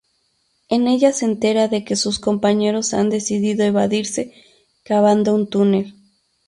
En ella se entera de que sus compañeros han decidido evadirse cavando un túnel.